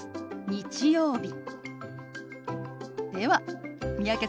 日曜日。